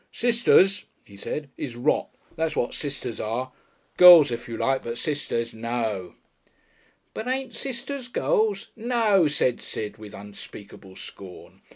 "Sisters," he said, "is rot. That's what sisters are. Girls if you like, but sisters no!" "But ain't sisters girls?" "N eaow!" said Sid, with unspeakable scorn.